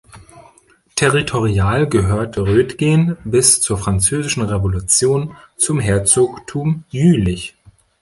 Territorial gehörte Roetgen bis zur Französischen Revolution zum Herzogtum Jülich.